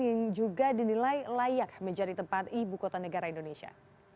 yang juga dinilai layak menjadi tempat ibu kota negara indonesia